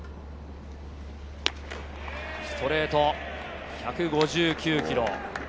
ストレート１５９キロ。